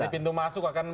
menjadi pintu masuk akan